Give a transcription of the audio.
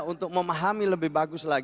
kita harus memahami lebih baik era digital ini